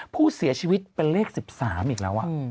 ผู้เสียชีวิตเป็นเลข๑๓อีกแล้ว